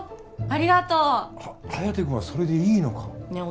ありがとうは颯君はそれでいいのかねえ